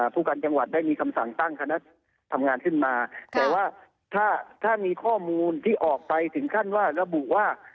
ผู้การจังหวัดได้มีคำสั่งตั้งคณะทำงานขึ้นมาแต่ว่าถ้ามีข้อมูลที่ออกไปถึงขั้นว่าระบุว่า